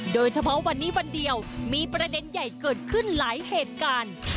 โดยเฉพาะวันนี้วันเดียวมีประเด็นใหญ่เกิดขึ้นหลายเหตุการณ์